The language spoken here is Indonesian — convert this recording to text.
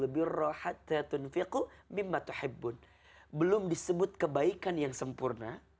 belum disebut kebaikan yang sempurna